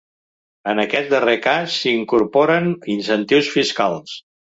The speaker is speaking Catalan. En aquest darrer cas, s’hi incorporen incentius fiscals.